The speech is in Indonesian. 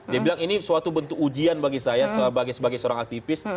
dia bilang ini suatu bentuk ujian bagi saya sebagai seorang aktivis